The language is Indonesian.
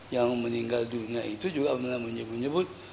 yang meninggal dunia itu juga menyebut nyebut